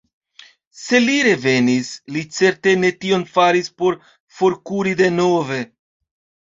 Se li revenis, li certe ne tion faris por forkuri denove.